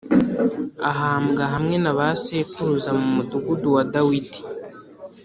Ahambwa hamwe na ba sekuruza mu mudugudu wa dawidi